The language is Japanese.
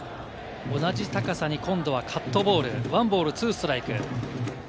同じ高さに今度はカットボール、１ボール２ストライク。